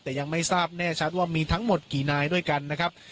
แต่ยังไม่ทราบแน่ชัดว่ามีทั้งหมดกี่นายด้วยกันนะครับ